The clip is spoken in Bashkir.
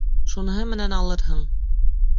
Шуныһы менән алырһың.